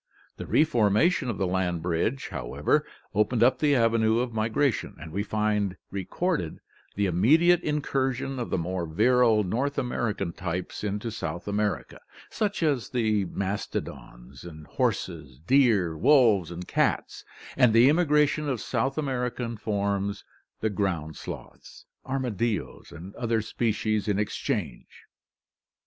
The re formation of the land bridge, however, opened up the avenues of migration, and we find re corded the immediate incursion of the more virile North American types into South America, such as the mastodons, horses, deer, wolves, and cats, and the immigration of South American forms, the ground sloths, armadillos, and other species in exchange.